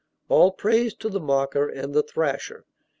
All praise to the mocker and the thrasher!